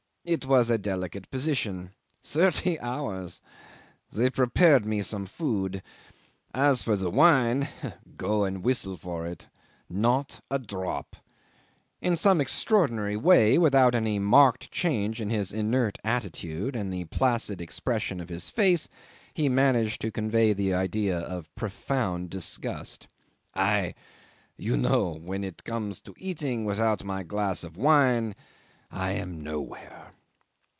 It was a delicate position. Thirty hours! They prepared me some food. As for the wine go and whistle for it not a drop." In some extraordinary way, without any marked change in his inert attitude and in the placid expression of his face, he managed to convey the idea of profound disgust. "I you know when it comes to eating without my glass of wine I am nowhere."